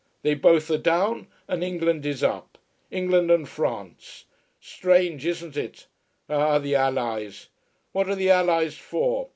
They both are down, and England is up. England and France. Strange, isn't it? Ah, the allies. What are the allies for?